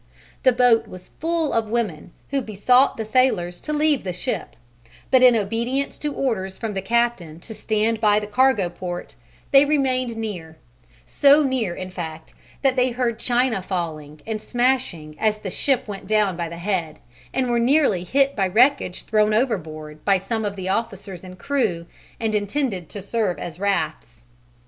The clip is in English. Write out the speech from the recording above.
The boat was full of women, who besought the sailors to leave the ship, but in obedience to orders from the captain to stand by the cargo port, they remained near; so near, in fact, that they heard china falling and smashing as the ship went down by the head, and were nearly hit by wreckage thrown overboard by some of the officers and crew and intended to serve as rafts.